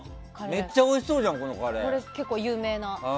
めっちゃおいしそうじゃんこのカレー。